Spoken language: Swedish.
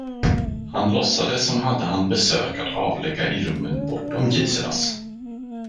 Han låtsade som hade han besök att avlägga i rummen bortom Giselas.